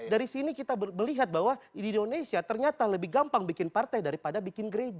dari sini kita melihat bahwa di indonesia ternyata lebih gampang bikin partai daripada bikin gereja